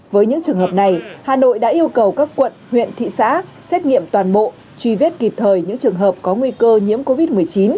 với những trường hợp này hà nội đã yêu cầu các quận huyện thị xã xét nghiệm toàn bộ truy vết kịp thời những trường hợp có nguy cơ nhiễm covid một mươi chín